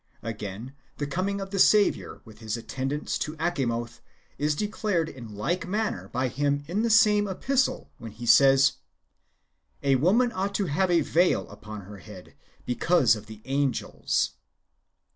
"^ Again, the coming of the Saviour with His attendants to Achamoth is declared in like manner by him in the same epistle, when he says, " A woman ought to have a veil upon her head, because of the angels."